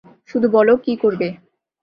শুধু বলো কী করবে।